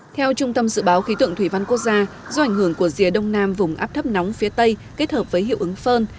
theo trung tâm dự báo khí tượng thủy văn quốc gia do ảnh hưởng của rìa đông nam vùng áp thấp nóng phía tây kết hợp với hiệu ứng phơn